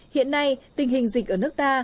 hiện nay tình hình dịch ở nước ta